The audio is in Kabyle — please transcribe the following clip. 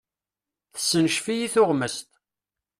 Tessencef-iyi tuɣmest.